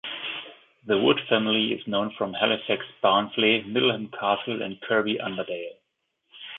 The Wood family is known from Halifax, Barnsley, Middleham Castle, and Kirby Underdale.